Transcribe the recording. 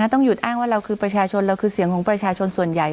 ต้องหยุดอ้างว่าเราคือประชาชนเราคือเสียงของประชาชนส่วนใหญ่